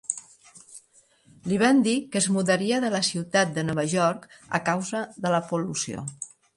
Li van dir que es mudaria de la ciutat de Nova York a causa de la pol·lució.